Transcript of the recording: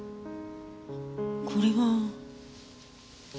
これは？